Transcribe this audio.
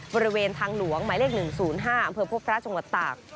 บริเวณทางหลวงหมายเลข๑๐๕อำเภอพบพระจังหวัดตาก